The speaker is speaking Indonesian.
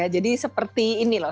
jadi seperti ini loh